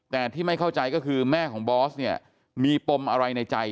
แต่ที่ไม่เข้าใจก็คือแม่ของบอสเนี่ยมีปมอะไรในใจ